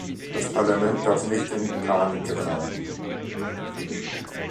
Das Parlament darf nicht in Panik geraten.